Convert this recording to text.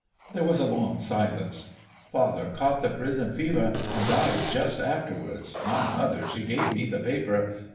There was a long silence. "Father caught the prison fever an' died just afterwards. My mother, she gave me the paper